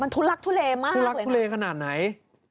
ทุลักทุเลมากทุลักทุเลขนาดไหน